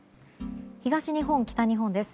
東日本、北日本です。